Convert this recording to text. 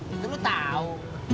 itu lu tau